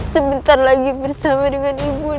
sebentar lagi bersama dengan ibu